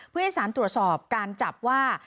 เพื่อให้สารตรวจสอบการจับว่า